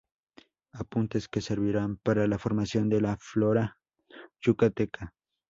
Apuntes que servirán para la formación de la Flora Yucateca".